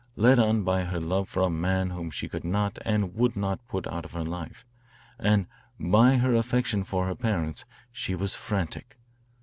Led on by her love for a man whom she could not and would not put out of her life, and by her affection for her parents, she was frantic.